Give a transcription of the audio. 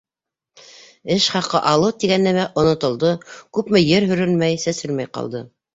Эш хаҡы алыу тигән нәмә онотолдо, күпме ер һөрөлмәй, сәселмәй ҡалды.